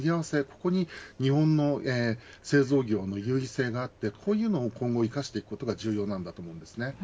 ここに日本の製造業の優位性があってこういうものを今後生かしていくことが重要だと思いますね。